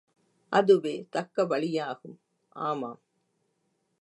அதுவே தக்க வழியாகும். ஆமாம்!